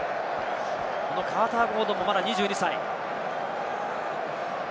カーター・ゴードンもまだ２２歳。